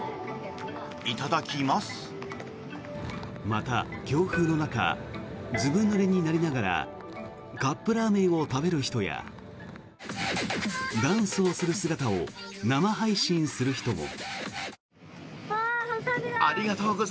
また、強風の中ずぶぬれになりながらカップラーメンを食べる人やダンスをする姿を生配信する人も。